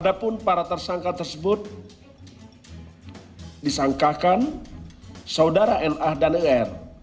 padahal para tersangka tersebut disangkakan saudara na dan er